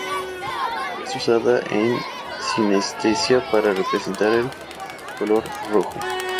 Es usada en sinestesia para representar el color rojo.